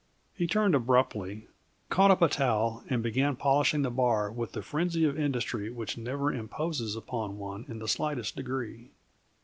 He turned abruptly, caught up a towel, and began polishing the bar with the frenzy of industry which never imposes upon one in the slightest degree.